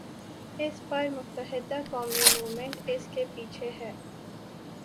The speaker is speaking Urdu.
اس بار متحدہ قومی موومنٹ اس کے پیچھے ہے۔